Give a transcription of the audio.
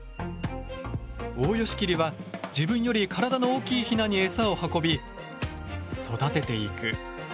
オオヨシキリは自分より体の大きいヒナにエサを運び育てていく。